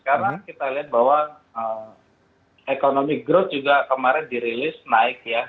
karena kita lihat bahwa economic growth juga kemarin dirilis naik ya